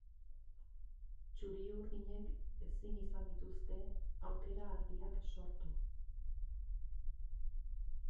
Txuri-urdinek ezin izan dituzte aukera argiak sortu.